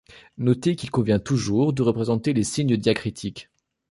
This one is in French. Noter qu'il convient toujours de représenter les signes diacritiques.